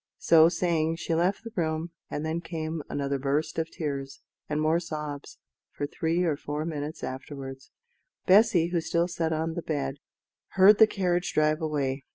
So saying, she left the room, and then came another burst of tears, and more sobs, for three or four minutes afterwards. Bessy, who still sat on the bed, heard the carriage drive away.